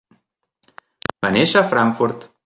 Va néixer a Frankfurt.